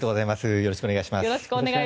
よろしくお願いします。